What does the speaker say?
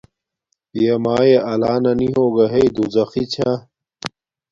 پیا مایے آلانا نی ہوگا ہݵ دوزخی چھا